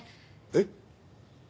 えっ？